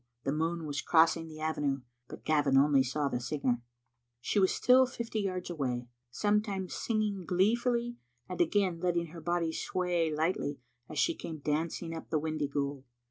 The moon was crossing the avenue. But Gavin only saw the singer. She was still fifty yards away, sometimes singing gleefully, and again letting her body sway lightly as she came dancing up Windyghoul.